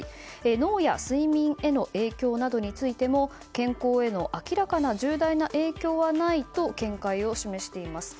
脳や睡眠への影響などについても健康への明らかな重大な影響はないと見解を示しています。